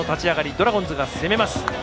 ドラゴンズが攻めます。